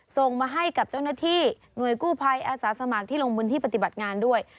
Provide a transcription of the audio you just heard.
ส่งมาให้กับเจ้าหน้าที่หน่วยกู้ภัยอาสาสมัครที่ลงบนที่ปฏิบัติงานด้วย